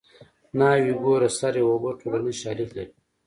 ناوې ګوره سر یې اوبه ټولنیز شالید لري